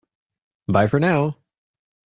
Bye for now!